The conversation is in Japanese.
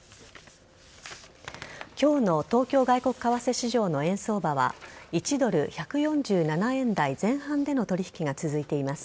今日の東京外国為替市場の円相場は１ドル１４７円台前半での取引が続いています。